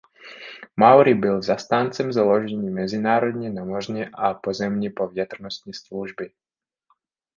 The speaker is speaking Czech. Maury byl zastáncem založení mezinárodní námořní a pozemní povětrnostní služby.